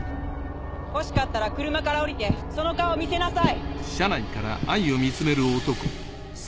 欲しかったら車から降りてその顔を見せなさい！